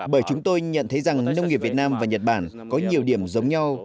bởi chúng tôi nhận thấy rằng nông nghiệp việt nam và nhật bản có nhiều điểm giống nhau